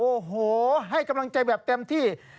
โอ้โหให้กำลังใจแบบเต็มที่